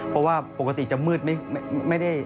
เพราะว่าปกติจะมืดไม่ได้